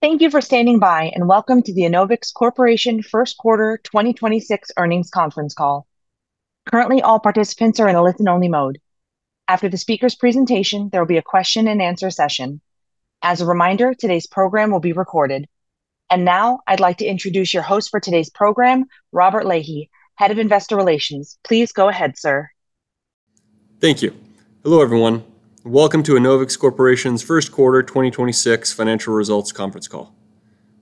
Thank you for standing by, welcome to the Enovix Corporation First Quarter 2026 Earnings Conference Call. Currently, all participants are in a listen-only mode. After the speaker's presentation, there will be a question-and-answer session. As a reminder, today's program will be recorded. Now I'd like to introduce your host for today's program, Robert Lahey, Head of Investor Relations. Please go ahead, sir. Thank you. Hello, everyone. Welcome to Enovix Corporation's First Quarter 2026 Financial Results Conference Call.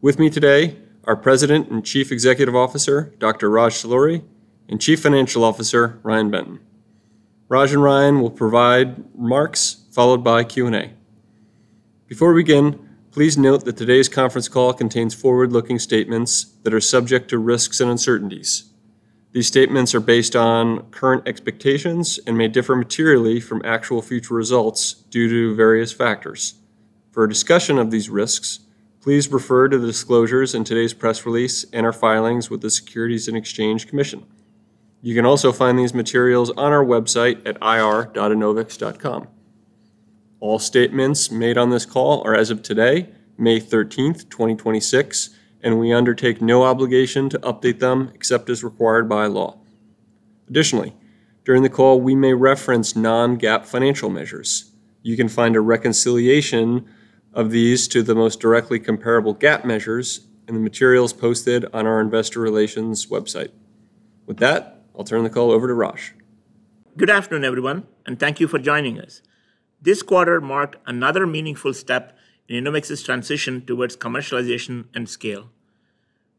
With me today are President and Chief Executive Officer, Dr. Raj Talluri, and Chief Financial Officer, Ryan Benton. Raj and Ryan will provide remarks followed by Q&A. Before we begin, please note that today's conference call contains forward-looking statements that are subject to risks and uncertainties. These statements are based on current expectations and may differ materially from actual future results due to various factors. For a discussion of these risks, please refer to the disclosures in today's press release and our filings with the Securities and Exchange Commission. You can also find these materials on our website at ir.enovix.com. All statements made on this call are as of today, May 13th, 2026, and we undertake no obligation to update them except as required by law. Additionally, during the call, we may reference non-GAAP financial measures. You can find a reconciliation of these to the most directly comparable GAAP measures in the materials posted on our investor relations website. With that, I'll turn the call over to Raj. Good afternoon, everyone, and thank you for joining us. This quarter marked another meaningful step in Enovix's transition towards commercialization and scale.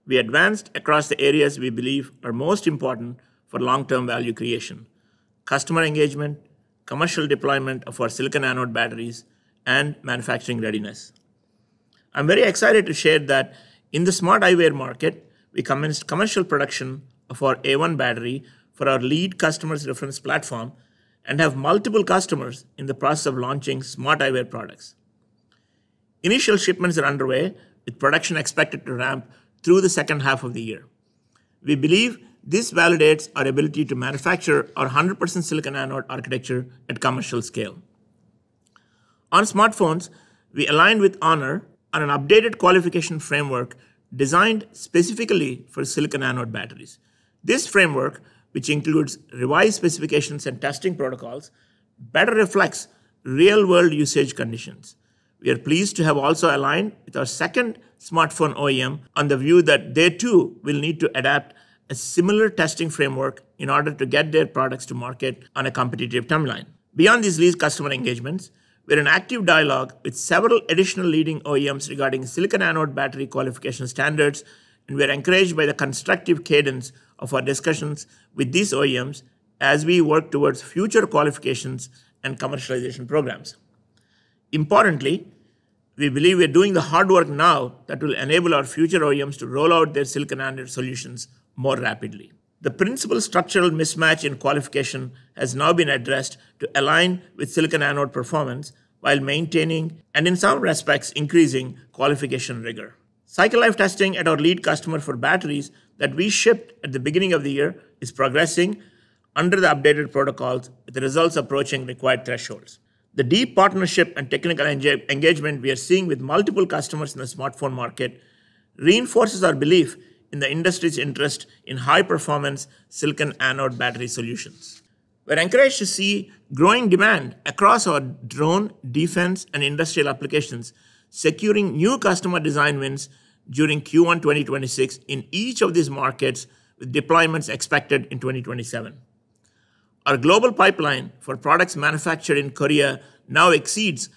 We advanced across the areas we believe are most important for long-term value creation: customer engagement, commercial deployment of our silicon anode batteries, and manufacturing readiness. I'm very excited to share that in the smart eyewear market, we commenced commercial production of our AI-1 battery for our lead customer's reference platform and have multiple customers in the process of launching smart eyewear products. Initial shipments are underway, with production expected to ramp through the second half of the year. We believe this validates our ability to manufacture our 100% silicon anode architecture at commercial scale. On smartphones, we aligned with Honor on an updated qualification framework designed specifically for silicon anode batteries. This framework, which includes revised specifications and testing protocols, better reflects real-world usage conditions. We are pleased to have also aligned with our second smartphone OEM on the view that they too will need to adapt a similar testing framework in order to get their products to market on a competitive timeline. Beyond these lead customer engagements, we're in active dialogue with several additional leading OEMs regarding silicon anode battery qualification standards, and we are encouraged by the constructive cadence of our discussions with these OEMs as we work towards future qualifications and commercialization programs. Importantly, we believe we are doing the hard work now that will enable our future OEMs to roll out their silicon anode solutions more rapidly. The principal structural mismatch in qualification has now been addressed to align with silicon anode performance while maintaining, and in some respects increasing, qualification rigor. Cycle life testing at our lead customer for batteries that we shipped at the beginning of the year is progressing under the updated protocols with the results approaching required thresholds. The deep partnership and technical engagement we are seeing with multiple customers in the smartphone market reinforces our belief in the industry's interest in high-performance silicon anode battery solutions. We're encouraged to see growing demand across our drone, defense, and industrial applications, securing new customer design wins during Q1 2026 in each of these markets, with deployments expected in 2027. Our global pipeline for products manufactured in Korea now exceeds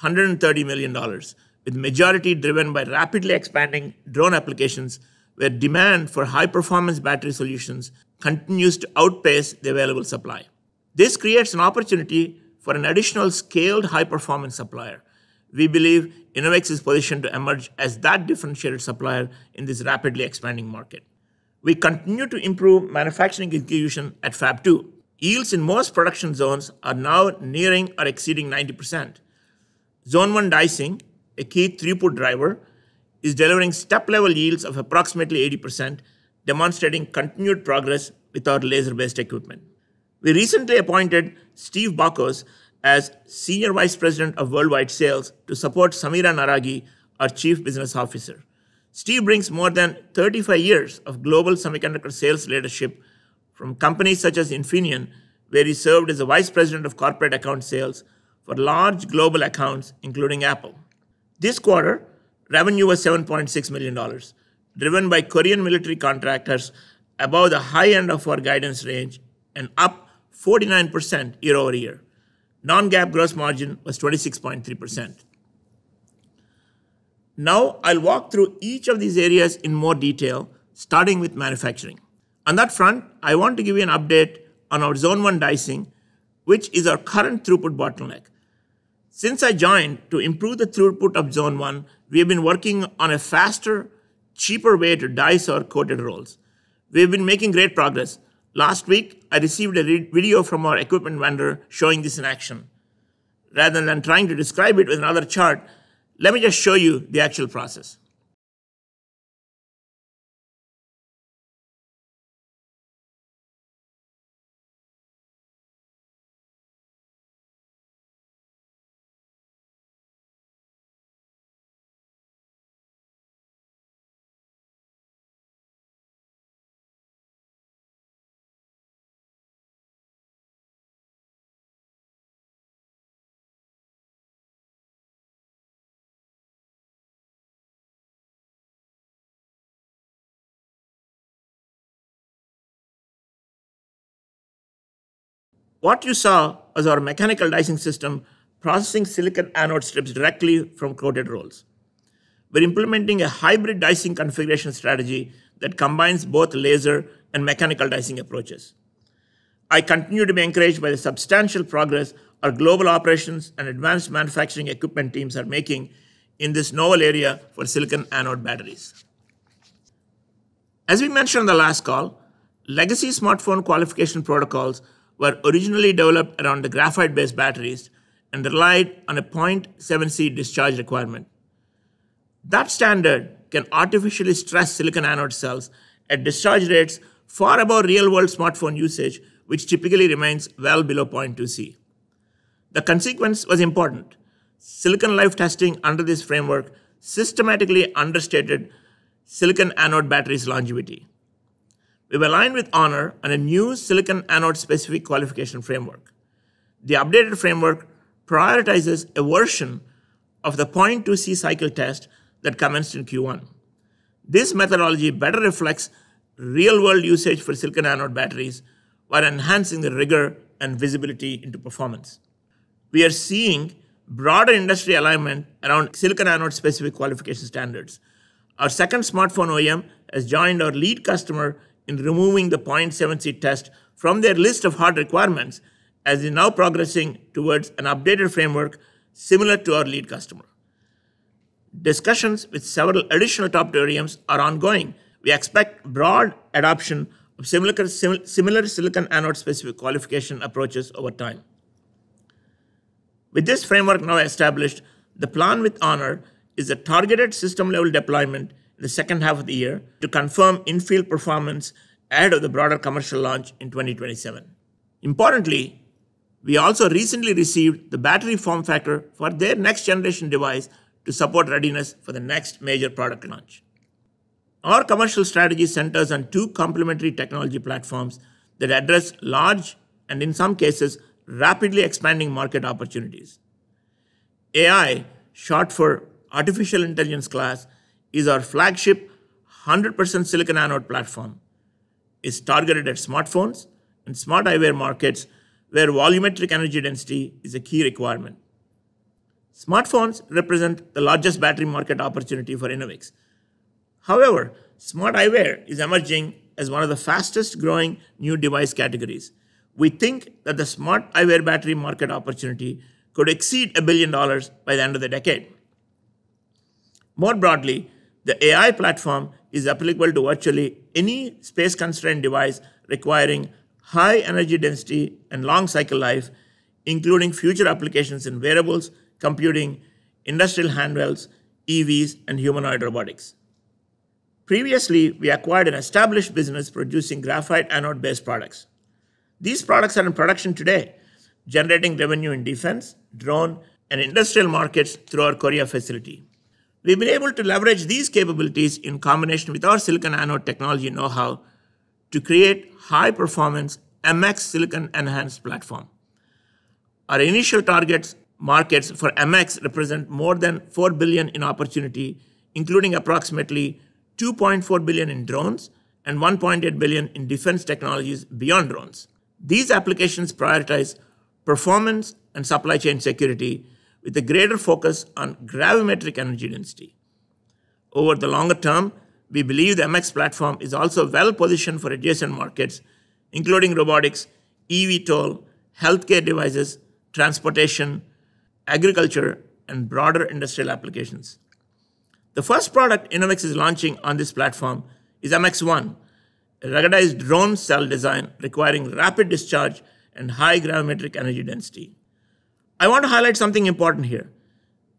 $130 million, with the majority driven by rapidly expanding drone applications, where demand for high-performance battery solutions continues to outpace the available supply. This creates an opportunity for an additional scaled high-performance supplier. We believe Enovix is positioned to emerge as that differentiated supplier in this rapidly expanding market. We continue to improve manufacturing execution at Fab2. Yields in most production zones are now nearing or exceeding 90%. Zone 1 dicing, a key throughput driver, is delivering step-level yields of approximately 80%, demonstrating continued progress with our laser-based equipment. We recently appointed Steve Bakos as Senior Vice President of Worldwide Sales to support Samira Naraghi, our Chief Business Officer. Steve brings more than 35 years of global semiconductor sales leadership from companies such as Infineon, where he served as a Vice President of Corporate Account Sales for large global accounts, including Apple. This quarter, revenue was $7.6 million, driven by Korean military contractors above the high-end of our guidance range and up 49% year-over-year. Non-GAAP gross margin was 26.3%. I'll walk through each of these areas in more detail, starting with manufacturing. On that front, I want to give you an update on our Zone 1 dicing, which is our current throughput bottleneck. Since I joined, to improve the throughput of Zone 1, we have been working on a faster, cheaper way to dice our coated rolls. We've been making great progress. Last week, I received a video from our equipment vendor showing this in action. Rather than trying to describe it with another chart, let me just show you the actual process. What you saw was our mechanical dicing system processing silicon anode strips directly from coated rolls. We're implementing a hybrid dicing configuration strategy that combines both laser and mechanical dicing approaches. I continue to be encouraged by the substantial progress our global operations and advanced manufacturing equipment teams are making in this novel area for silicon anode batteries. As we mentioned on the last call, legacy smartphone qualification protocols were originally developed around the graphite-based batteries and relied on a 0.7C discharge requirement. That standard can artificially stress silicon anode cells at discharge rates far above real-world smartphone usage, which typically remains well below 0.2C. The consequence was important. Silicon life testing under this framework systematically understated silicon anode batteries' longevity. We've aligned with Honor on a new silicon anode-specific qualification framework. The updated framework prioritizes a version of the 0.2C cycle test that commenced in Q1. This methodology better reflects real-world usage for silicon anode batteries while enhancing the rigor and visibility into performance. We are seeing broader industry alignment around silicon anode-specific qualification standards. Our second smartphone OEM has joined our lead customer in removing the 0.7C test from their list of hard requirements, as they're now progressing towards an updated framework similar to our lead customer. Discussions with several additional top OEMs are ongoing. We expect broad adoption of similar silicon anode-specific qualification approaches over time. With this framework now established, the plan with Honor is a targeted system-level deployment in the second half of the year to confirm in-field performance ahead of the broader commercial launch in 2027. Importantly, we also recently received the battery form factor for their next-generation device to support readiness for the next major product launch. Our commercial strategy centers on two complementary technology platforms that address large and, in some cases, rapidly expanding market opportunities. AI, short for Artificial Intelligence Class, is our flagship 100% silicon anode platform. It's targeted at smartphones and smart eyewear markets where volumetric energy density is a key requirement. Smartphones represent the largest battery market opportunity for Enovix. However, smart eyewear is emerging as one of the fastest-growing new device categories. We think that the smart eyewear battery market opportunity could exceed a billion dollars by the end of the decade. More broadly, the AI platform is applicable to virtually any space-constrained device requiring high energy density and long cycle life, including future applications in wearables, computing, industrial handhelds, EVs, and humanoid robotics. Previously, we acquired an established business producing graphite anode-based products. These products are in production today, generating revenue in defense, drone, and industrial markets through our Korea facility. We've been able to leverage these capabilities in combination with our silicon anode technology know-how to create high-performance MX silicon-enhanced platform. Our initial targets markets for MX represent more than $4 billion in opportunity, including approximately $2.4 billion in drones and $1.8 billion in defense technologies beyond drones. These applications prioritize performance and supply chain security with a greater focus on gravimetric energy density. Over the longer-term, we believe the MX platform is also well-positioned for adjacent markets, including robotics, eVTOL, healthcare devices, transportation, agriculture, and broader industrial applications. The first product Enovix is launching on this platform is MX1, a ruggedized drone cell design requiring rapid discharge and high gravimetric energy density. I want to highlight something important here.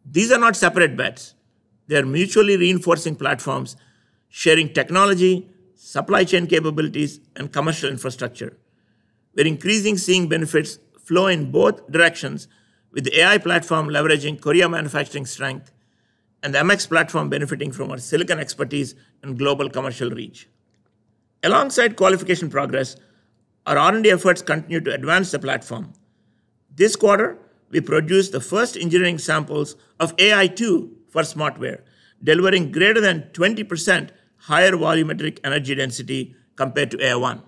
These are not separate bets. They're mutually reinforcing platforms, sharing technology, supply chain capabilities, and commercial infrastructure. We're increasing seeing benefits flow in both directions with the AI platform leveraging Korea manufacturing strength and the MX platform benefiting from our silicon expertise and global commercial reach. Alongside qualification progress, our R&D efforts continue to advance the platform. This quarter, we produced the first engineering samples of AI-2 for smartwear, delivering greater than 20% higher volumetric energy density compared to AI-1.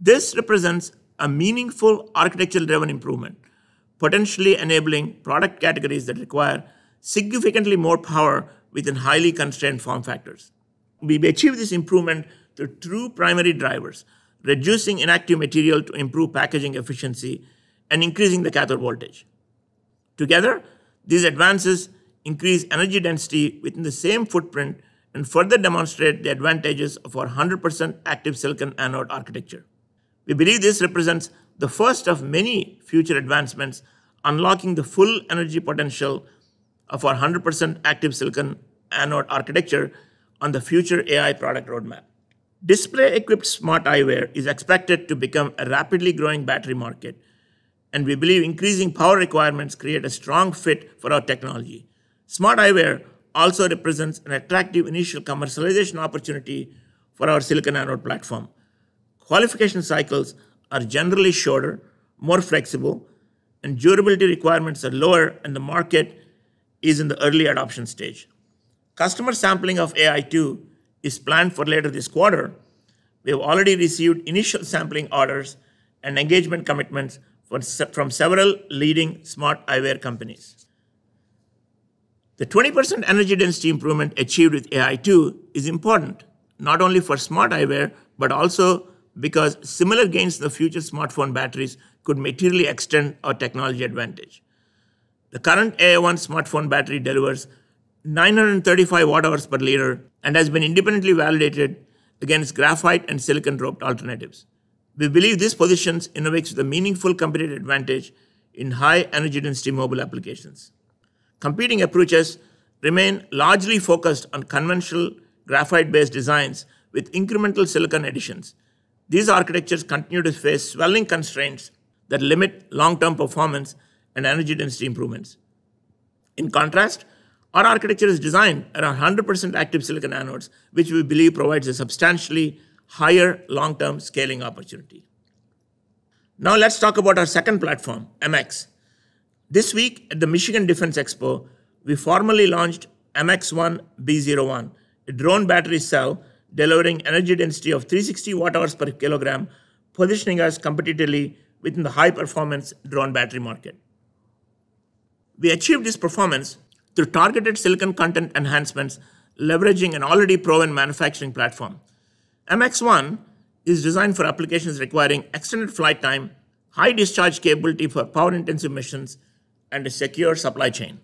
This represents a meaningful architectural-driven improvement, potentially enabling product categories that require significantly more power within highly constrained form factors. We've achieved this improvement through two primary drivers: reducing inactive material to improve packaging efficiency and increasing the cathode voltage. Together, these advances increase energy density within the same footprint and further demonstrate the advantages of our 100% active silicon anode architecture. We believe this represents the first of many future advancements, unlocking the full energy potential of our 100% active silicon anode architecture on the future AI product roadmap. Display-equipped smart eyewear is expected to become a rapidly growing battery market, and we believe increasing power requirements create a strong fit for our technology. Smart eyewear also represents an attractive initial commercialization opportunity for our silicon anode platform. Qualification cycles are generally shorter, more flexible, and durability requirements are lower, and the market is in the early adoption stage. Customer sampling of AI-2 is planned for later this quarter. We have already received initial sampling orders and engagement commitments from several leading smart eyewear companies. The 20% energy density improvement achieved with AI-2 is important, not only for smart eyewear but also because similar gains to the future smartphone batteries could materially extend our technology advantage. The current AI-1 smartphone battery delivers 935 Wh/L and has been independently validated against graphite and silicon-doped alternatives. We believe this positions Enovix with a meaningful competitive advantage in high energy density mobile applications. Competing approaches remain largely focused on conventional graphite-based designs with incremental silicon additions. These architectures continue to face swelling constraints that limit long-term performance and energy density improvements. Our architecture is designed around 100% active silicon anodes, which we believe provides a substantially higher long-term scaling opportunity. Let's talk about our second platform, MX. This week at the Michigan Defense Expo, we formally launched MX1-B01, a drone battery cell delivering energy density of 360 Wh/kg, positioning us competitively within the high-performance drone battery market. We achieve this performance through targeted silicon content enhancements, leveraging an already proven manufacturing platform. MX1 is designed for applications requiring extended flight time, high discharge capability for power-intensive missions, and a secure supply chain.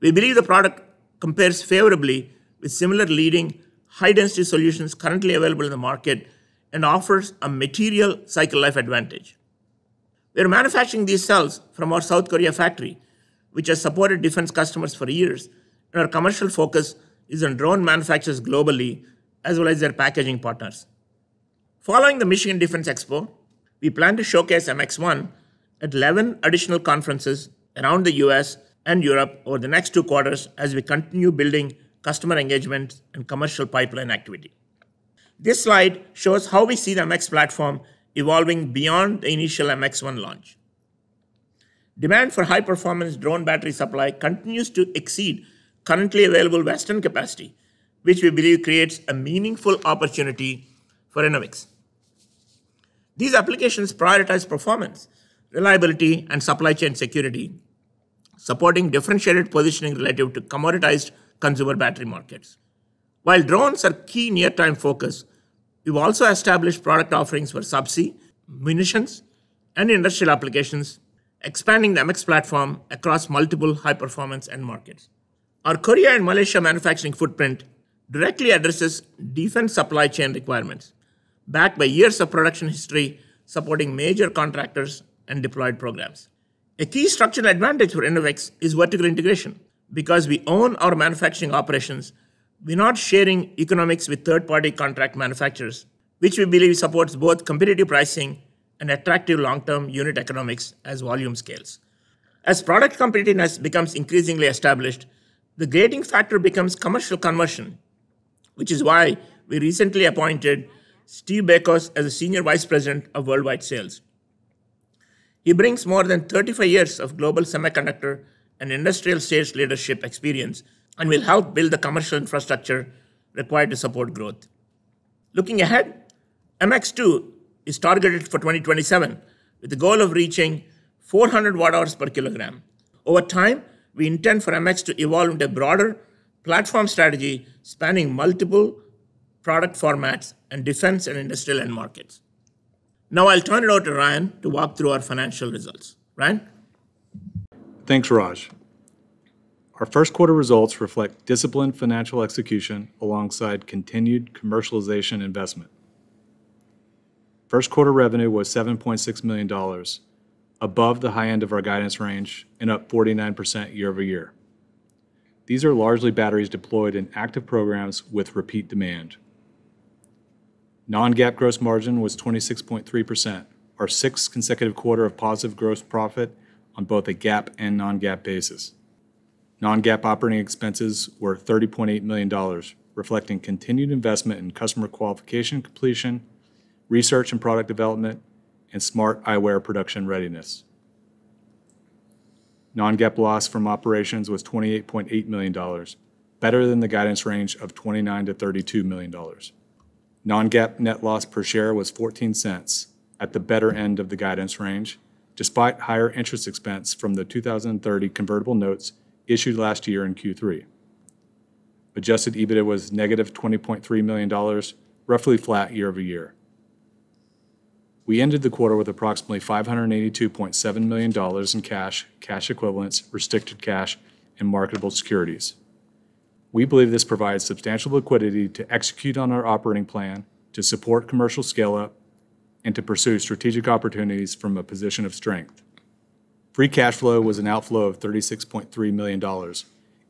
We believe the product compares favorably with similar leading high-density solutions currently available in the market and offers a material cycle life advantage. We are manufacturing these cells from our South Korea factory, which has supported defense customers for years, and our commercial focus is on drone manufacturers globally, as well as their packaging partners. Following the Michigan Defense Expo, we plan to showcase MX1 at 11 additional conferences around the U.S. and Europe over the next two quarters as we continue building customer engagement and commercial pipeline activity. This slide shows how we see the MX platform evolving beyond the initial MX1 launch. Demand for high-performance drone battery supply continues to exceed currently available Western capacity, which we believe creates a meaningful opportunity for Enovix. These applications prioritize performance, reliability, and supply chain security, supporting differentiated positioning relative to commoditized consumer battery markets. While drones are a key near-term focus, we've also established product offerings for sub-C munitions and industrial applications, expanding the MX platform across multiple high-performance end markets. Our Korea and Malaysia manufacturing footprint directly addresses defense supply chain requirements, backed by years of production history supporting major contractors and deployed programs. A key structural advantage for Enovix is vertical integration. Because we own our manufacturing operations, we're not sharing economics with third-party contract manufacturers, which we believe supports both competitive pricing and attractive long-term unit economics as volume scales. As product competitiveness becomes increasingly established, the grading factor becomes commercial conversion, which is why we recently appointed Steve Bakos as a Senior Vice President of Worldwide Sales. He brings more than 35 years of global semiconductor and industrial sales leadership experience and will help build the commercial infrastructure required to support growth. Looking ahead, MX2 is targeted for 2027, with the goal of reaching 400 Wh/kg. Over time, we intend for MX to evolve into a broader platform strategy spanning multiple product formats and defense and industrial end markets. Now I'll turn it over to Ryan to walk through our financial results. Ryan? Thanks, Raj. Our first quarter results reflect disciplined financial execution alongside continued commercialization investment. First quarter revenue was $7.6 million, above the high end of our guidance range and up 49% year-over-year. These are largely batteries deployed in active programs with repeat demand. Non-GAAP gross margin was 26.3%, our sixth consecutive quarter of positive gross profit on both a GAAP and non-GAAP basis. Non-GAAP operating expenses were $30.8 million, reflecting continued investment in customer qualification completion, research and product development, and smart eyewear production readiness. Non-GAAP loss from operations was $28.8 million, better than the guidance range of $29 million-$32 million. Non-GAAP net loss per share was $0.14 at the better end of the guidance range, despite higher interest expense from the 2030 convertible notes issued last year in Q3. Adjusted EBITDA was -$20.3 million, roughly flat year-over-year. We ended the quarter with approximately $582.7 million in cash equivalents, restricted cash, and marketable securities. We believe this provides substantial liquidity to execute on our operating plan, to support commercial scale-up, and to pursue strategic opportunities from a position of strength. Free cash flow was an outflow of $36.3 million,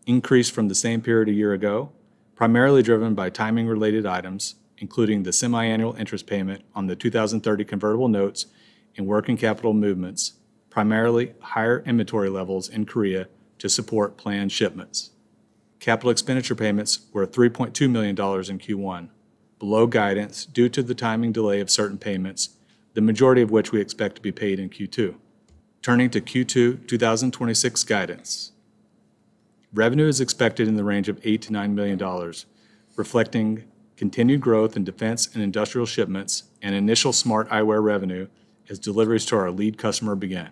increased from the same period a year ago, primarily driven by timing related items, including the semiannual interest payment on the 2030 convertible notes and working capital movements, primarily higher inventory levels in Korea to support planned shipments. Capital expenditure payments were $3.2 million in Q1, below guidance due to the timing delay of certain payments, the majority of which we expect to be paid in Q2. Turning to Q2 2026 guidance. Revenue is expected in the range of $8 million-$9 million, reflecting continued growth in defense and industrial shipments and initial smart eyewear revenue as deliveries to our lead customer begin.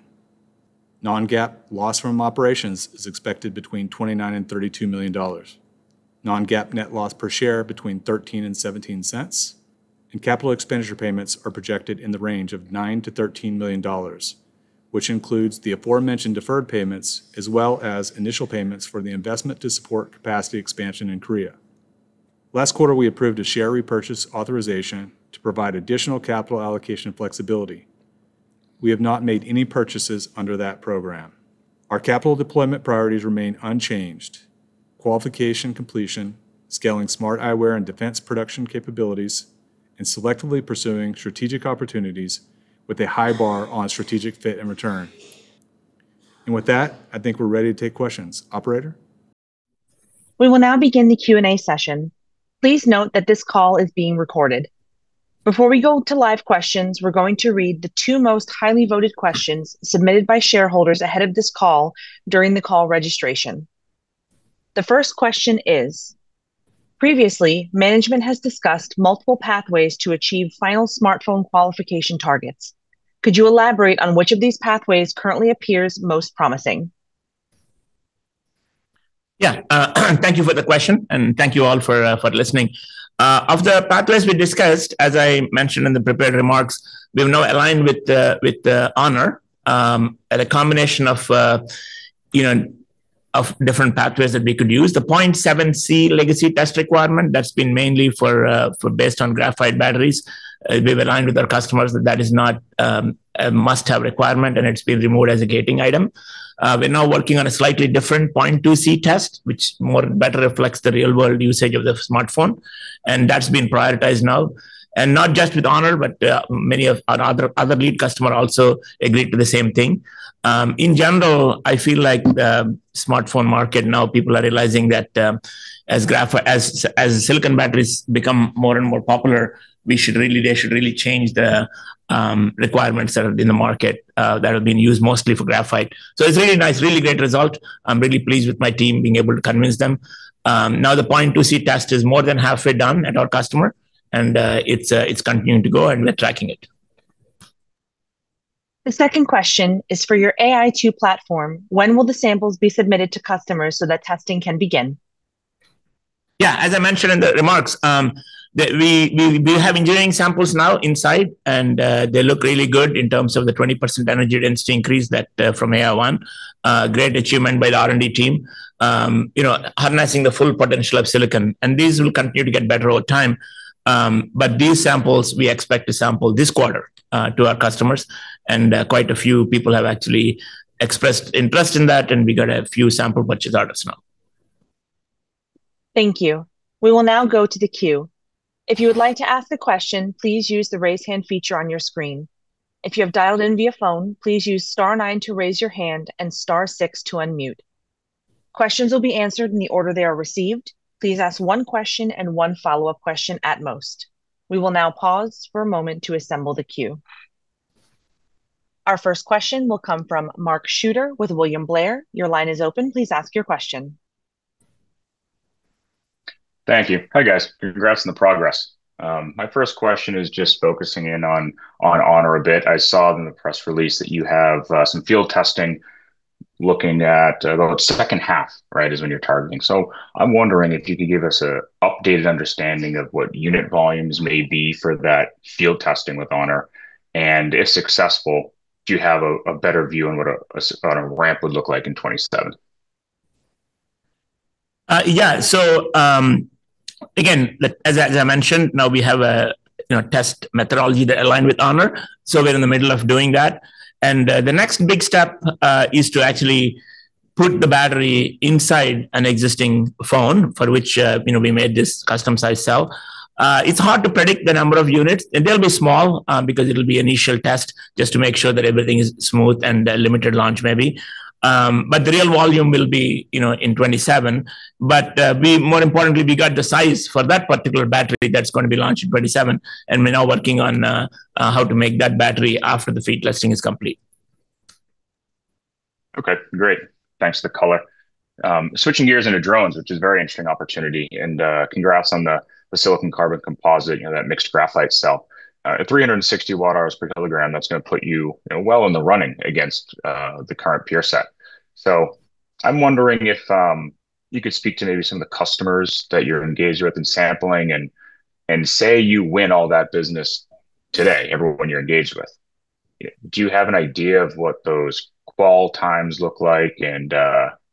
non-GAAP loss from operations is expected between $29 million and $32 million. non-GAAP net loss per share between $0.13 and $0.17. Capital expenditure payments are projected in the range of $9 million-$13 million, which includes the aforementioned deferred payments as well as initial payments for the investment to support capacity expansion in Korea. Last quarter, we approved a share repurchase authorization to provide additional capital allocation flexibility. We have not made any purchases under that program. Our capital deployment priorities remain unchanged: qualification completion, scaling smart eyewear and defense production capabilities, and selectively pursuing strategic opportunities with a high bar on strategic fit and return. With that, I think we're ready to take questions. Operator? We will now begin the Q&A session. Please note that this call is being recorded. Before we go to live questions, we're going to read the two most highly voted questions submitted by shareholders ahead of this call during the call registration. The first question is: previously, management has discussed multiple pathways to achieve final smartphone qualification targets. Could you elaborate on which of these pathways currently appears most promising? Yeah. Thank you for the question, and thank you all for listening. Of the pathways we discussed, as I mentioned in the prepared remarks, we have now aligned with the Honor, at a combination of, you know, of different pathways that we could use. The 0.7C legacy test requirement, that's been mainly for based on graphite batteries. We've aligned with our customers that that is not a must-have requirement, and it's been removed as a gating item. We're now working on a slightly different 0.2C test, which more better reflects the real-world usage of the smartphone, and that's been prioritized now. Not just with Honor, but many of our other lead customer also agreed to the same thing. In general, I feel like the smartphone market now, people are realizing that as silicon batteries become more and more popular, we should really, they should really change the requirements that are in the market that have been used mostly for graphite. It's really nice, really great result. I'm really pleased with my team being able to convince them. Now the 0.2C test is more than halfway done at our customer, and it's continuing to go, and we're tracking it. The second question is for your AI-2 platform, when will the samples be submitted to customers so that testing can begin? Yeah, as I mentioned in the remarks, that we have engineering samples now inside, and they look really good in terms of the 20% energy density increase that from AI-1. Great achievement by the R&D team. You know, harnessing the full potential of silicon, and these will continue to get better over time. These samples, we expect to sample this quarter to our customers, and quite a few people have actually expressed interest in that, and we got a few sample batches out as well. Thank you. We will now go to the queue. If you would like to ask a question, please use the raise hand feature on your screen. If you have dialed in via phone, please use star nine to raise your hand and star six to unmute. Questions will be answered in the order they are received. Please ask one question and one follow-up question at most. We will now pause for a moment to assemble the queue. Our first question will come from Mark Shooter with William Blair. Your line is open. Please ask your question. Thank you. Hi, guys. Congrats on the progress. My first question is just focusing in on Honor a bit. I saw in the press release that you have some field testing looking at the second half, right, is when you're targeting? I'm wondering if you could give us a updated understanding of what unit volumes may be for that field testing with Honor. If successful, do you have a better view on what a ramp would look like in 2027? Yeah. Again, as I mentioned, now we have a test methodology that align with Honor, we're in the middle of doing that. The next big step is to put the battery inside an existing phone for which we made this custom-sized cell. It's hard to predict the number of units. It will be small because it'll be initial test just to make sure that everything is smooth and a limited launch maybe. The real volume will be in 2027. We more importantly, we got the size for that particular battery that's gonna be launched in 2027, we're now working on how to make that battery after the field testing is complete. Okay, great. Thanks for the color. Switching gears into drones, which is very interesting opportunity, and congrats on the silicon carbon composite, you know, that mixed graphite cell. At 360 Wh/kg, that's gonna put you know, well in the running against the current peer set. I'm wondering if you could speak to maybe some of the customers that you're engaged with in sampling and say you win all that business today, everyone you're engaged with. Do you have an idea of what those qual times look like and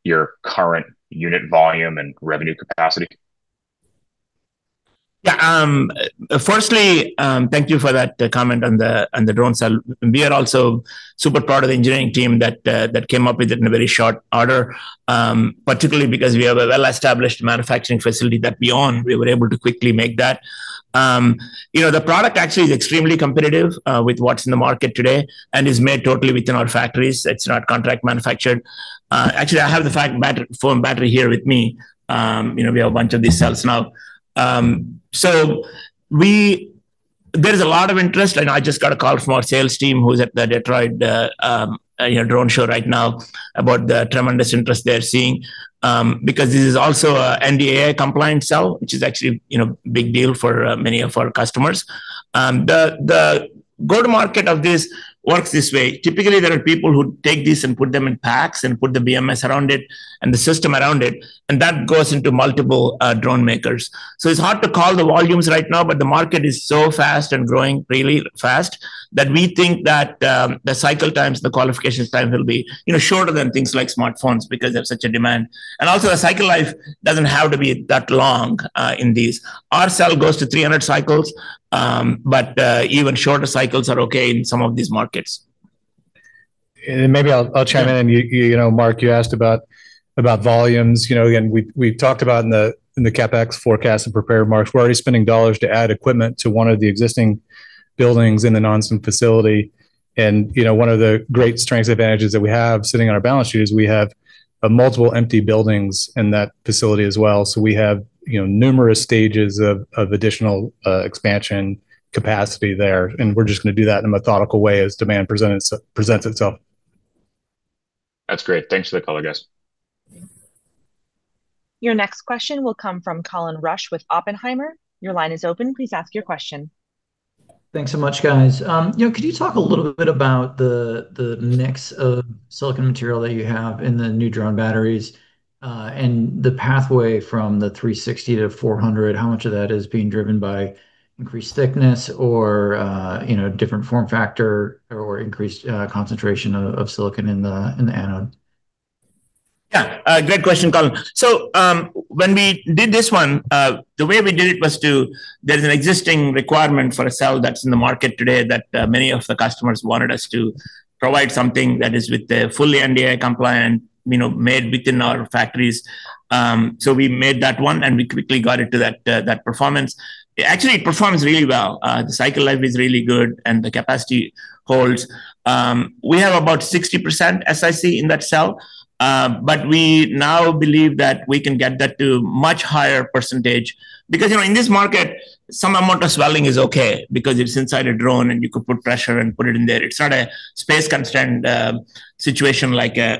your current unit volume and revenue capacity? Firstly, thank you for that comment on the drone cell. We are also super proud of the engineering team that came up with it in a very short order. Particularly because we have a well-established manufacturing facility that we own, we were able to quickly make that. You know, the product actually is extremely competitive with what's in the market today and is made totally within our factories. It's not contract manufactured. Actually, I have the phone battery here with me. You know, we have a bunch of these cells now. There is a lot of interest, and I just got a call from our sales team who's at the Detroit, you know, drone show right now about the tremendous interest they're seeing, because this is also a NDAA compliant cell, which is actually, you know, big deal for many of our customers. The go-to-market of this works this way. Typically, there are people who take this and put them in packs and put the BMS around it and the system around it, and that goes into multiple drone makers. It's hard to call the volumes right now, but the market is so fast and growing really fast that we think that, the cycle times, the qualifications time will be, you know, shorter than things like smartphones because they have such a demand. A cycle life doesn't have to be that long in these. Our cell goes to 300 cycles, but even shorter cycles are okay in some of these markets. Maybe I'll chime in. You know, Mark, you asked about volumes. You know, again, we've talked about in the CapEx forecast and prepared marks, we're already spending dollars to add equipment to one of the existing buildings in the Nonsan facility. You know, one of the great strengths, advantages that we have sitting on our balance sheet is we have multiple empty buildings in that facility as well. We have, you know, numerous stages of additional expansion capacity there, and we're just gonna do that in a methodical way as demand presents itself. That's great. Thanks for the color, guys. Your next question will come from Colin Rusch with Oppenheimer. Your line is open. Please ask your question. Thanks so much, guys. You know, could you talk a little bit about the mix of silicon material that you have in the new drone batteries, and the pathway from the 360 to 400, how much of that is being driven by increased thickness or, you know, different form factor or increased concentration of silicon in the anode? Yeah. A great question, Colin Rusch. When we did this one, the way we did it was to, there's an existing requirement for a cell that's in the market today that many of the customers wanted us to provide something that is with the fully NDAA compliant, you know, made within our factories. We made that one, and we quickly got it to that performance. It actually performs really well. The cycle life is really good, and the capacity holds. We have about 60% SiC in that cell, but we now believe that we can get that to much higher percentage. You know, in this market, some amount of swelling is okay because it's inside a drone, and you could put pressure and put it in there. It's not a space constrained situation like a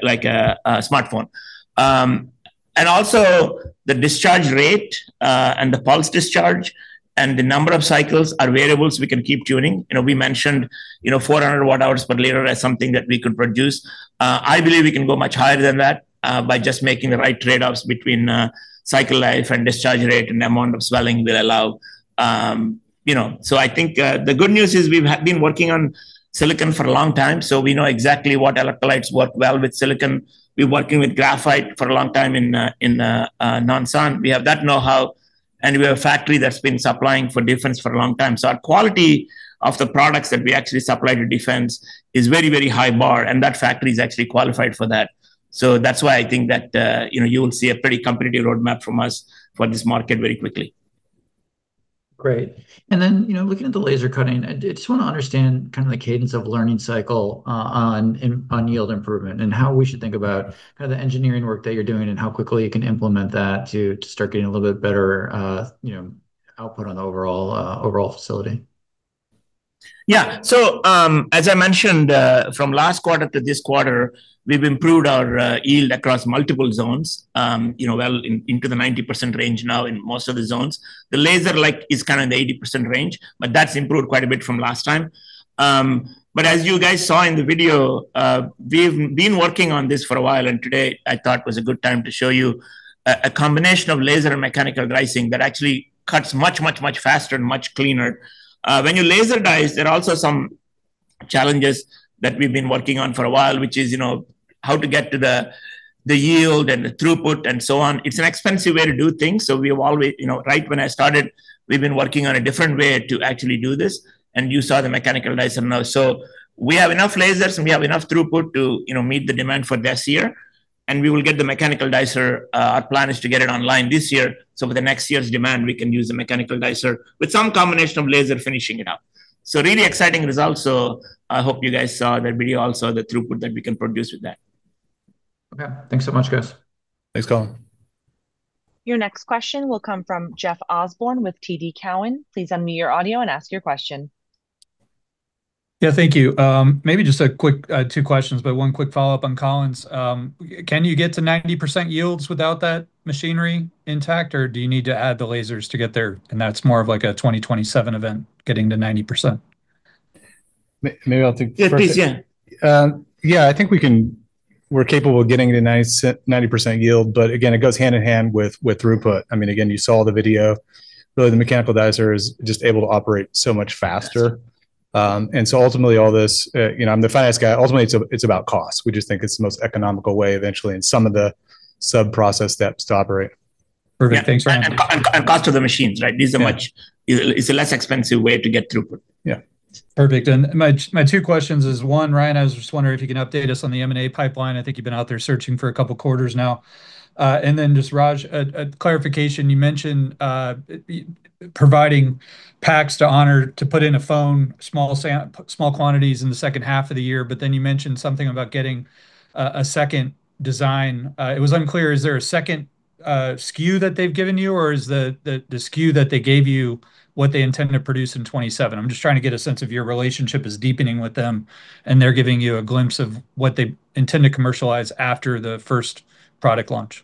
smartphone. Also the discharge rate, and the pulse discharge, and the number of cycles are variables we can keep tuning. You know, we mentioned, you know, 400 Wh/L as something that we could produce. I believe we can go much higher than that by just making the right trade-offs between cycle life and discharge rate and the amount of swelling we allow. You know, I think the good news is we've been working on silicon for a long time, we know exactly what electrolytes work well with silicon. We're working with graphite for a long time in Nonsan. We have that know-how, we have a factory that's been supplying for defense for a long time. Our quality of the products that we actually supply to defense is very, very high bar, and that factory is actually qualified for that. That's why I think that, you know, you'll see a pretty competitive roadmap from us for this market very quickly. Great. Then, you know, looking at the laser cutting, I just wanna understand kind of the cadence of learning cycle on yield improvement and how we should think about kind of the engineering work that you're doing and how quickly you can implement that to start getting a little bit better, you know, output on the overall facility. As I mentioned, from last quarter to this quarter, we've improved our yield across multiple zones, you know, well into the 90% range now in most of the zones. The laser light is kind of in the 80% range, that's improved quite a bit from last time. As you guys saw in the video, we've been working on this for a while, and today I thought was a good time to show you a combination of laser and mechanical dicing that actually cuts much faster and much cleaner. When you laser dice, there are also some challenges that we've been working on for a while, which is, you know, how to get to the yield and the throughput and so on. It's an expensive way to do things, so we've always You know, right when I started, we've been working on a different way to actually do this, and you saw the mechanical dicer now. We have enough lasers, and we have enough throughput to, you know, meet the demand for this year, and we will get the mechanical dicer, our plan is to get it online this year. For the next year's demand, we can use the mechanical dicer with some combination of laser finishing it up. Really exciting results. I hope you guys saw that video also, the throughput that we can produce with that. Okay. Thanks so much, guys. Thanks, Colin. Your next question will come from Jeff Osborne with TD Cowen. Please unmute your audio and ask your question. Yeah. Thank you. maybe just a quick, two questions, but one quick follow-up on Colin's. can you get to 90% yields without that machinery intact, or do you need to add the lasers to get there, and that's more of like a 2027 event getting to 90%? Maybe I'll take first. Yeah, please. Yeah. Yeah, I think we're capable of getting to nice 90% yield. Again, it goes hand in hand with throughput. I mean, again, you saw the video. Really, the mechanical dicer is just able to operate so much faster. Ultimately all this, you know, I'm the finance guy, ultimately it's about cost. We just think it's the most economical way eventually in some of the sub-process steps to operate. Perfect. Thanks, Ryan. Yeah, cost of the machines, right? Yeah. It's a less expensive way to get throughput. Yeah. Perfect. My, my two questions is, one, Ryan, I was just wondering if you can update us on the M&A pipeline. I think you've been out there searching for two quarters now. Just Raj, a clarification. You mentioned providing packs to Honor to put in a phone, small quantities in the second half of the year. You mentioned something about getting a second design. It was unclear, is there a second SKU that they've given you, or is the SKU that they gave you what they intend to produce in 2027? I'm just trying to get a sense if your relationship is deepening with them and they're giving you a glimpse of what they intend to commercialize after the first product launch.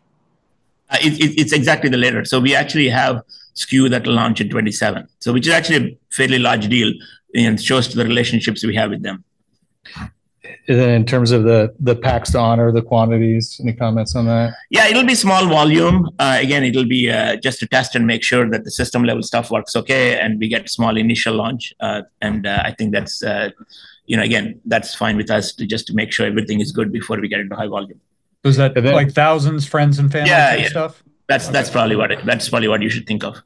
It's exactly the latter. We actually have SKU that'll launch in 2027, so which is actually a fairly large deal and shows the relationships we have with them. In terms of the packs to Honor, the quantities, any comments on that? Yeah, it'll be small volume. Again, it'll be just to test and make sure that the system level stuff works okay and we get small initial launch. I think that's, you know, again, that's fine with us to just to make sure everything is good before we get into high volume. Does that- like thousands, friends and family type stuff? Yeah, yeah. That's probably what you should think of.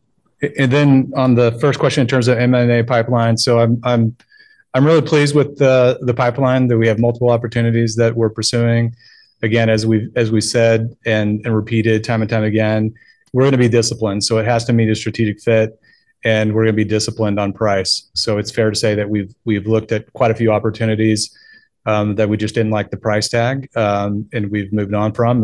On the first question, in terms of M&A pipeline, I'm really pleased with the pipeline that we have multiple opportunities that we're pursuing. Again, as we said and repeated time and time again, we're gonna be disciplined, it has to meet a strategic fit, and we're gonna be disciplined on price. It's fair to say that we've looked at quite a few opportunities that we just didn't like the price tag, and we've moved on from.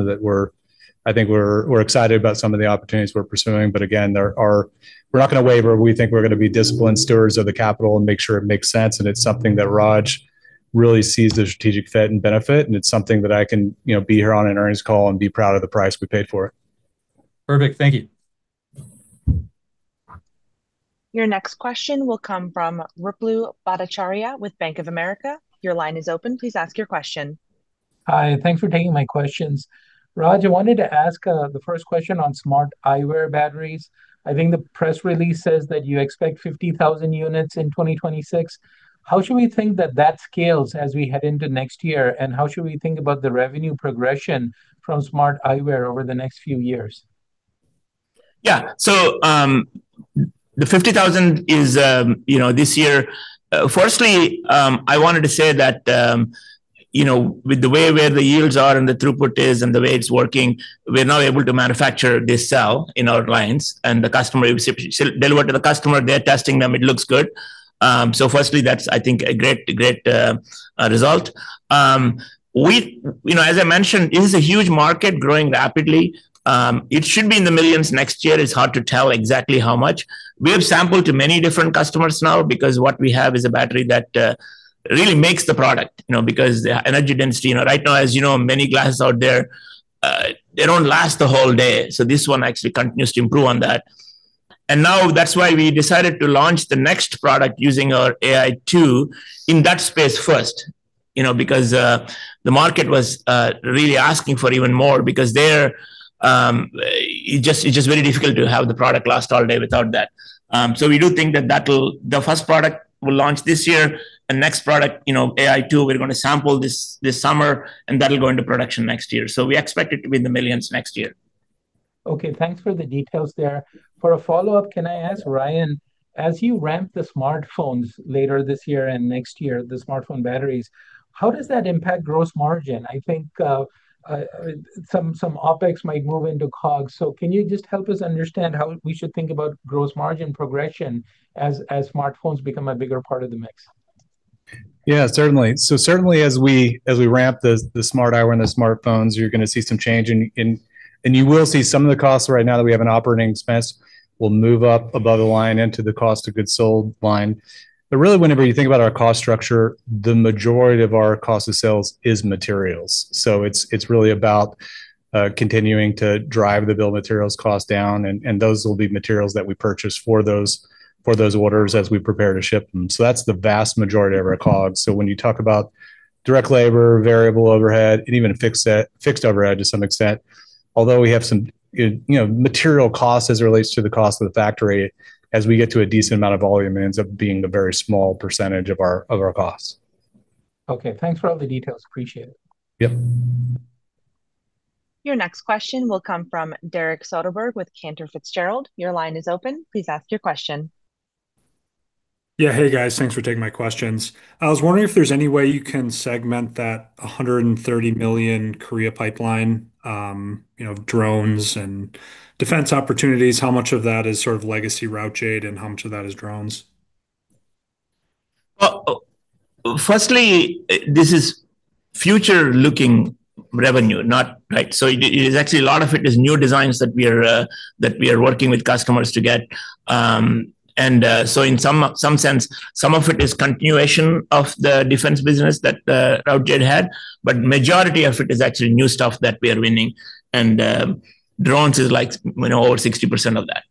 I think we're excited about some of the opportunities we're pursuing but again, we're not gonna waiver. We think we're gonna be disciplined stewards of the capital and make sure it makes sense, and it's something that Raj really sees the strategic fit and benefit, and it's something that I can, you know, be here on an earnings call and be proud of the price we paid for it. Perfect. Thank you. Your next question will come from Ruplu Bhattacharya with Bank of America. Your line is open. Please ask your question. Hi, thanks for taking my questions. Raj, I wanted to ask the first question on smart eyewear batteries. I think the press release says that you expect 50,000 units in 2026. How should we think that that scales as we head into next year, and how should we think about the revenue progression from smart eyewear over the next few years? Yeah. The 50,000 units is, you know, this year. Firstly, I wanted to say that, you know, with the way where the yields are and the throughput is and the way it's working, we're now able to manufacture this cell in our lines, and the customer delivered to the customer, they're testing them, it looks good. Firstly that's, I think, a great result. We, you know, as I mentioned, it is a huge market growing rapidly. It should be in the millions next year. It's hard to tell exactly how much. We have sampled to many different customers now because what we have is a battery that really makes the product, you know, because energy density. You know, right now, as you know, many glasses out there, they don't last the whole day. This one actually continues to improve on that. Now that's why we decided to launch the next product using our AI-2 in that space first, you know, because the market was really asking for even more because it's just very difficult to have the product last all day without that. We do think the first product will launch this year. The next product, you know, AI-2, we're going to sample this summer. That'll go into production next year. We expect it to be in the millions next year. Thanks for the details there. For a follow-up, can I ask Ryan, as you ramp the smartphones later this year and next year, the smartphone batteries, how does that impact gross margin? I think some OpEx might move into COGS, can you just help us understand how we should think about gross margin progression as smartphones become a bigger part of the mix? Yeah, certainly. Certainly as we ramp the smart eyewear and the smartphones, you're gonna see some change in, and you will see some of the costs right now that we have in operating expense will move up above the line into the cost of goods sold line. Really whenever you think about our cost structure, the majority of our cost of sales is materials. It's really about continuing to drive the bill of materials cost down and those will be materials that we purchase for those orders as we prepare to ship them. That's the vast majority of our COGS. When you talk about direct labor, variable overhead, and even fixed overhead to some extent, although we have some, you know, material costs as it relates to the cost of the factory, as we get to a decent amount of volume it ends up being a very small percentage of our, of our costs. Okay, thanks for all the details. Appreciate it. Yep. Your next question will come from Derek Soderberg with Cantor Fitzgerald. Your line is open. Please ask your question. Yeah. Hey, guys. Thanks for taking my questions. I was wondering if there's any way you can segment that $130 million Korea pipeline, you know, drones and defense opportunities. How much of that is sort of legacy Routejade, and how much of that is drones? Well, firstly, this is future looking revenue, not, like, so it is actually a lot of it is new designs that we are, that we are working with customers to get. So in some sense, some of it is continuation of the defense business that, Routejade had, but majority of it is actually new stuff that we are winning. Drones is, like, you know, over 60% of that.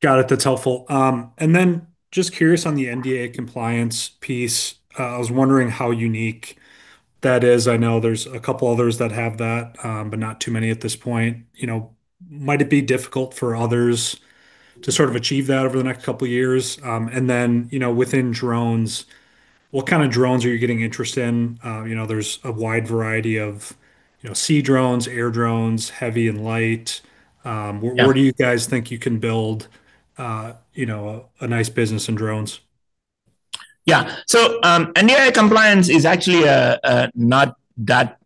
Got it. That's helpful. Just curious on the NDAA compliance piece, I was wondering how unique that is. I know there's a couple others that have that, not too many at this point. You know, might it be difficult for others to sort of achieve that over the next couple years, you know, within drones, what kind of drones are you getting interest in? You know, there's a wide variety of, you know, sea drones, air drones, heavy and light. Yeah Where do you guys think you can build, you know, a nice business in drones? Yeah. NDAA compliance is actually not that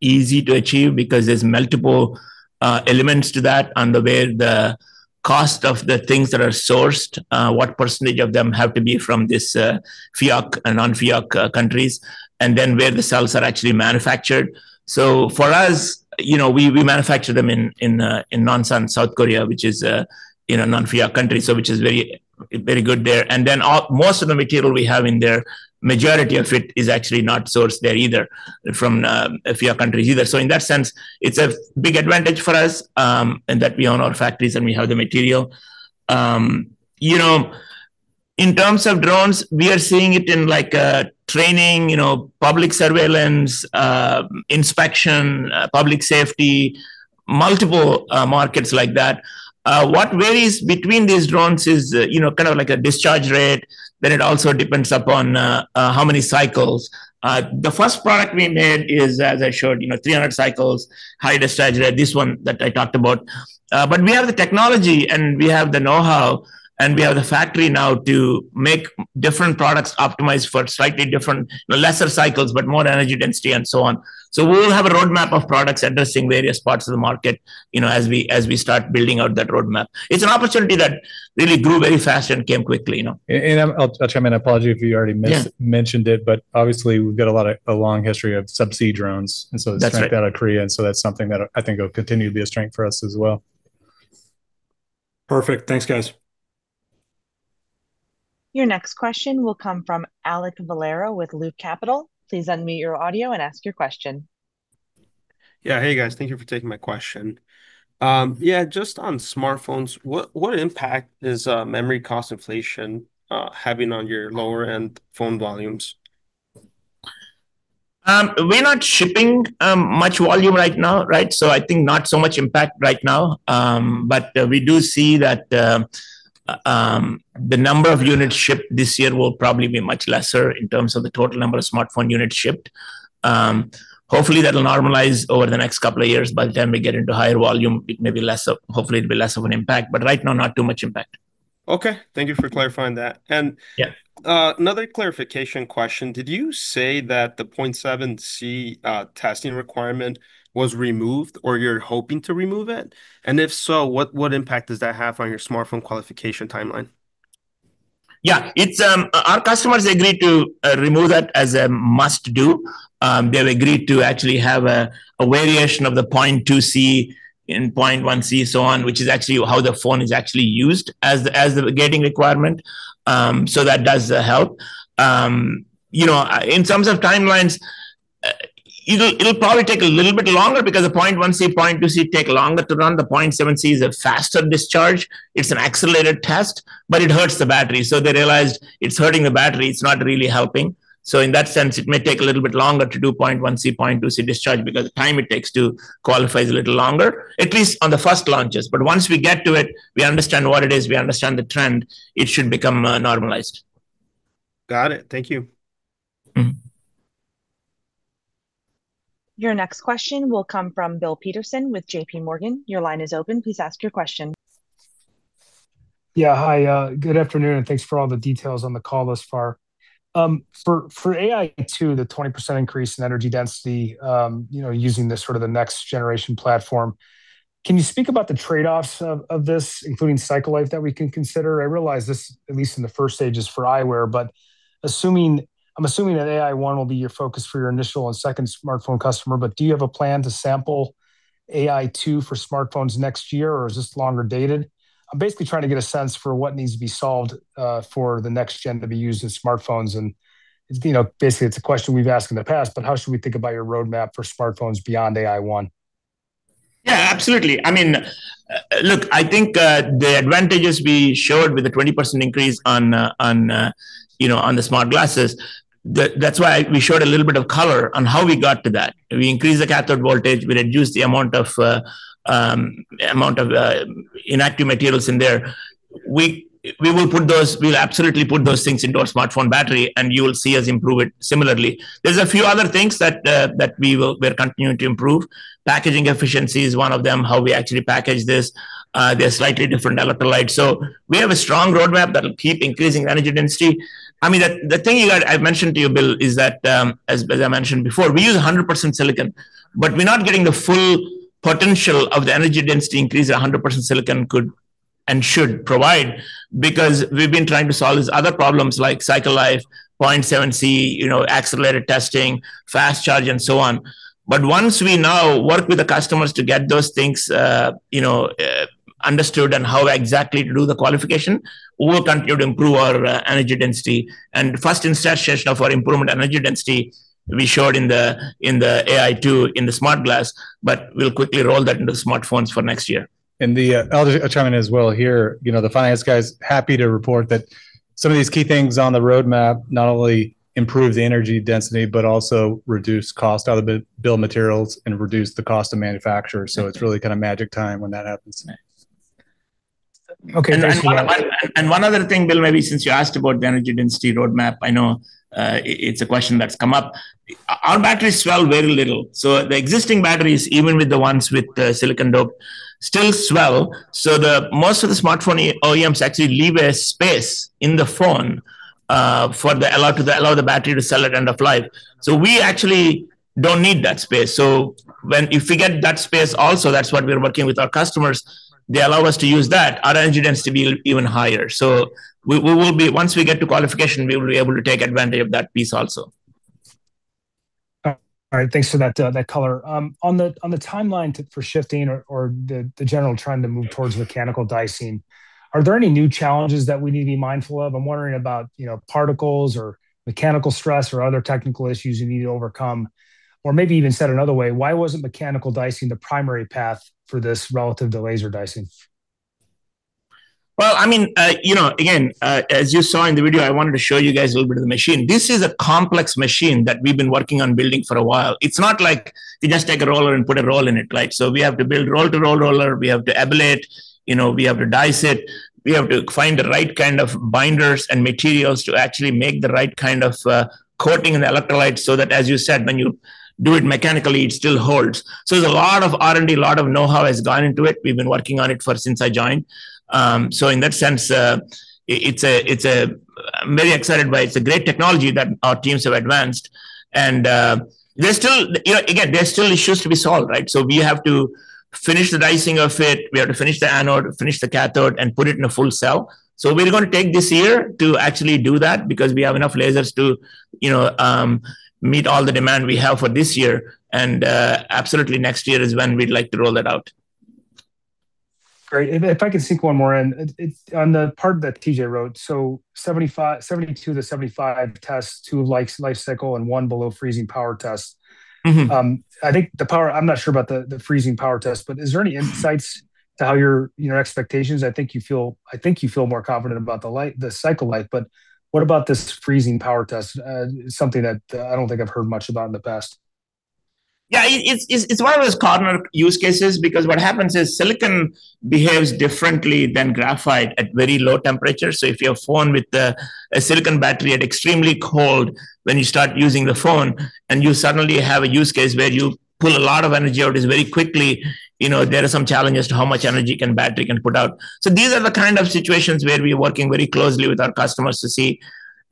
easy to achieve because there's multiple elements to that on the way the cost of the things that are sourced, what percentage of them have to be from this FEOC and non-FEOC countries, and then where the cells are actually manufactured. For us, you know, we manufacture them in Nonsan, South Korea, which is in a non-FEOC country, which is very, very good there. Most of the material we have in there, majority of it is actually not sourced there either, from FEOC countries either. In that sense, it's a big advantage for us, in that we own our factories and we have the material. You know, in terms of drones, we are seeing it in like, training, you know, public surveillance, inspection, public safety, multiple markets like that. What varies between these drones is, you know, kind of like a discharge rate, then it also depends upon how many cycles. The first product we made is, as I showed, you know, 300 cycles, high discharge rate, this one that I talked about. But we have the technology and we have the know-how, and we have the factory now to make different products optimized for slightly different, you know, lesser cycles, but more energy density and so on. We'll have a roadmap of products addressing various parts of the market, you know, as we, as we start building out that roadmap. It's an opportunity that really grew very fast and came quickly, you know. I'll chime in. I apologize if you already men- Yeah mentioned it, but obviously, we've got a lot of, a long history of sub C drones. That's right. That's something that I think will continue to be a strength for us as well. Perfect. Thanks, guys. Your next question will come from Alek Valero with Loop Capital. Hey, guys. Thank you for taking my question. Just on smartphones, what impact is memory cost inflation having on your lower-end phone volumes? We're not shipping much volume right now, right? I think not so much impact right now. We do see that the number of units shipped this year will probably be much lesser in terms of the total number of smartphone units shipped. Hopefully, that'll normalize over the next couple of years. By the time we get into higher volume, it may be less of, hopefully, it'll be less of an impact. Right now, not too much impact. Okay. Thank you for clarifying that. Yeah Another clarification question. Did you say that the 0.7C testing requirement was removed or you're hoping to remove it? If so, what impact does that have on your smartphone qualification timeline? It's, our customers agreed to remove that as a must-do. They've agreed to actually have a variation of the 0.2C and 0.1C, so on, which is actually how the phone is actually used as the gating requirement. That does help. You know, in terms of timelines, it'll probably take a little bit longer because the 0.1C, 0.2C take longer to run. The 0.7C is a faster discharge. It's an accelerated test, it hurts the battery. They realized it's hurting the battery, it's not really helping. In that sense, it may take a little bit longer to do 0.1C, 0.2C discharge because the time it takes to qualify is a little longer, at least on the first launches. Once we get to it, we understand what it is, we understand the trend, it should become normalized. Got it. Thank you. Your next question will come from Bill Peterson with JPMorgan. Your line is open. Please ask your question. Yeah. Hi. Good afternoon, and thanks for all the details on the call thus far. For AI-2, the 20% increase in energy density, you know, using this sort of the next generation platform, can you speak about the trade-offs of this, including cycle life that we can consider? I realize this, at least in the first stages, for eyewear. I'm assuming that AI-1 will be your focus for your initial and second smartphone customer. Do you have a plan to sample AI-2 for smartphones next year, or is this longer dated? I'm basically trying to get a sense for what needs to be solved for the next gen to be used in smartphones. You know, basically, it's a question we've asked in the past, but how should we think about your roadmap for smartphones beyond AI-1? Yeah, absolutely. I mean, look, I think the advantages we showed with the 20% increase on, you know, on the smart glasses, that's why we showed a little bit of color on how we got to that. We increased the cathode voltage, we reduced the amount of inactive materials in there. We will put those, we'll absolutely put those things into our smartphone battery, and you will see us improve it similarly. There's a few other things that we're continuing to improve. Packaging efficiency is one of them, how we actually package this. They're slightly different electrolytes. We have a strong roadmap that'll keep increasing energy density. I mean, the thing you got, I mentioned to you, Bill, is that as I mentioned before, we use 100% silicon. We're not getting the full potential of the energy density increase 100% silicon could and should provide because we've been trying to solve these other problems like cycle life, 0.7C, you know, accelerated testing, fast charge, and so on. Once we now work with the customers to get those things, you know, understood and how exactly to do the qualification, we'll continue to improve our energy density. First installation of our improvement energy density will be showed in the AI-2 in the smart glass, we'll quickly roll that into smartphones for next year. I'll chime in as well here. You know, the finance guy's happy to report that some of these key things on the roadmap not only improve the energy density but also reduce cost out of the bill of materials and reduce the cost of manufacturer. It's really kind of magic time when that happens. One other thing, Bill, maybe since you asked about the energy density roadmap, I know it's a question that's come up. Our batteries swell very little. The existing batteries, even with the ones with silicon-doped, still swell, most of the smartphone OEMs actually leave a space in the phone to allow the battery to cell at end of life. We actually don't need that space. When if we get that space also, that's what we're working with our customers, they allow us to use that, our energy density will be even higher. We will be, once we get to qualification, we will be able to take advantage of that piece also. All right, thanks for that color. On the timeline to, for shifting or the general trend to move towards mechanical dicing, are there any new challenges that we need to be mindful of? I'm wondering about, you know, particles or mechanical stress or other technical issues you need to overcome. Or maybe even said another way, why wasn't mechanical dicing the primary path for this relative to laser dicing? Well, I mean, again, as you saw in the video, I wanted to show you guys a little bit of the machine. This is a complex machine that we've been working on building for a while. It's not like we just take a roller and put a roll in it, right? We have to build roll-to-roll roller, we have to ablate, we have to dice it. We have to find the right kind of binders and materials to actually make the right kind of coating and electrolytes so that, as you said, when you do it mechanically, it still holds. There's a lot of R&D, a lot of know-how has gone into it. We've been working on it for since I joined. In that sense, I'm very excited by it. It's a great technology that our teams have advanced. There's still, you know, again, there are still issues to be solved, right? We have to finish the dicing of it, we have to finish the anode, finish the cathode, and put it in a full cell. We're gonna take this year to actually do that because we have enough lasers to, you know, meet all the demand we have for this year. Absolutely next year is when we'd like to roll that out. Great. If I could sink one more in. It's on the part that T.J. wrote. 75, 72-75 tests, two of likes, life cycle and 1 below freezing power test. I think the power, I'm not sure about the freezing power test, but is there any insights to how your, you know, expectations? I think you feel more confident about the light, the cycle life, but what about this freezing power test, something that I don't think I've heard much about in the past? Yeah, it's one of those corner use cases because what happens is silicon behaves differently than graphite at very low temperatures. If you have a phone with a silicon battery at extremely cold, when you start using the phone and you suddenly have a use case where you pull a lot of energy out, it's very quickly, you know, there are some challenges to how much energy can battery put out. These are the kind of situations where we're working very closely with our customers to see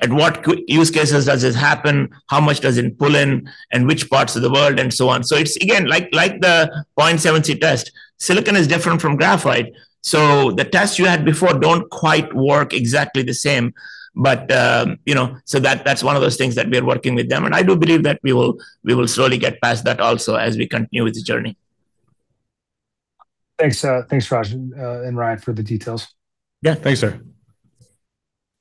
at what use cases does this happen, how much does it pull in, and which parts of the world, and so on. It's again, like the 0.7C test, silicon is different from graphite, so the tests you had before don't quite work exactly the same. You know, that's one of those things that we are working with them. I do believe that we will slowly get past that also as we continue with the journey. Thanks, thanks, Raj, and Ryan for the details. Thanks, sir.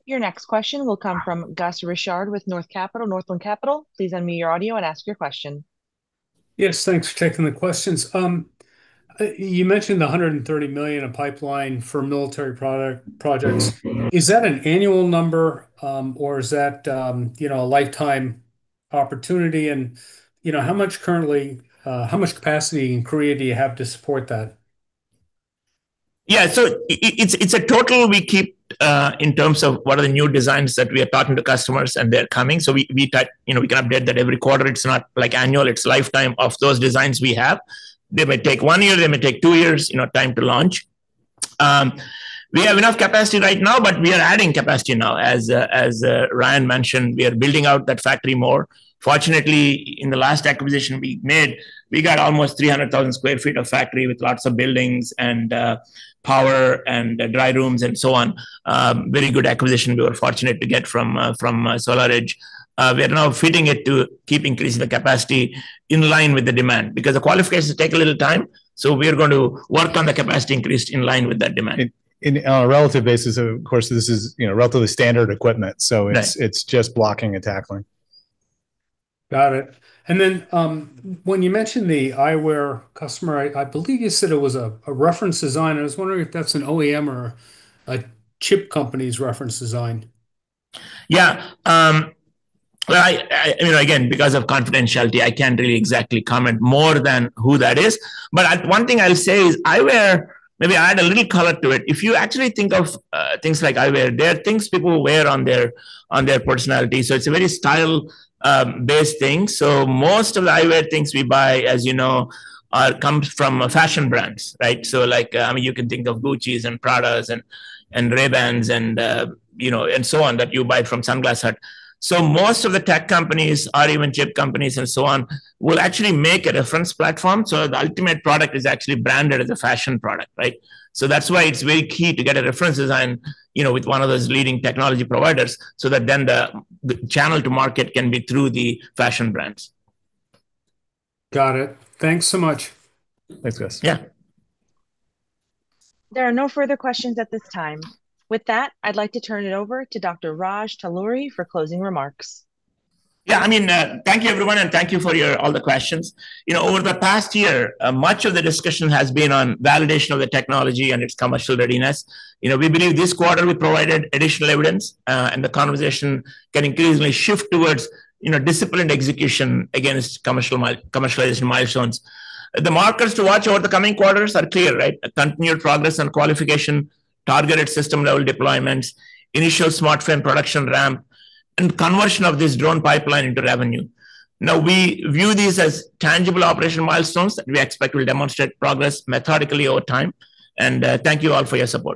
Your next question will come from Gus Richard with Northland Capital. Please unmute your audio and ask your question. Yes, thanks for taking the questions. You mentioned the $130 million in pipeline for military product, projects. Is that an annual number, or is that, you know, a lifetime opportunity? You know, how much currently, how much capacity in Korea do you have to support that? Yeah. It's a total we keep in terms of what are the new designs that we are talking to customers and they're coming. We, you know, we can update that every quarter. It's not like annual, it's lifetime of those designs we have. They may take one year, they may take two years, you know, time to launch. We have enough capacity right now, but we are adding capacity now. As Ryan mentioned, we are building out that factory more. Fortunately, in the last acquisition we made, we got almost 300,000 sq ft of factory with lots of buildings and power and dry rooms and so on. Very good acquisition we were fortunate to get from SolarEdge. We are now fitting it to keep increasing the capacity in line with the demand. The qualifications take a little time. We are going to work on the capacity increase in line with that demand. In, on a relative basis, of course, this is, you know, relatively standard equipment. Yes. It's just blocking and tackling. Got it. When you mentioned the eyewear customer, I believe you said it was a reference design, and I was wondering if that's an OEM or a chip company's reference design. Yeah. Well, I, you know, again, because of confidentiality, I can't really exactly comment more than who that is. I, one thing I'll say is eyewear, maybe I'll add a little color to it. If you actually think of things like eyewear, they are things people wear on their, on their personality, so it's a very style based thing. Most of the eyewear things we buy, as you know, are, comes from fashion brands, right? Like, I mean, you can think of Guccis and Pradas and Ray-Bans and, you know, and so on that you buy from Sunglass Hut. Most of the tech companies or even chip companies and so on will actually make a reference platform so the ultimate product is actually branded as a fashion product, right? That's why it's very key to get a reference design, you know, with one of those leading technology providers so that then the channel to market can be through the fashion brands. Got it. Thanks so much. Thanks, Gus. Yeah. There are no further questions at this time. With that, I'd like to turn it over to Dr. Raj Talluri for closing remarks. Yeah, I mean, thank you everyone, and thank you for your, all the questions. You know, over the past year, much of the discussion has been on validation of the technology and its commercial readiness. You know, we believe this quarter we provided additional evidence, and the conversation can increasingly shift towards, you know, disciplined execution against commercialization milestones. The markers to watch over the coming quarters are clear, right? A continued progress on qualification, targeted system-level deployments, initial smart frame production ramp, and conversion of this drone pipeline into revenue. We view these as tangible operational milestones that we expect will demonstrate progress methodically over time. Thank you all for your support.